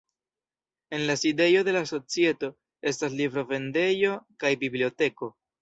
En la sidejo de la societo estas librovendejo kaj biblioteko.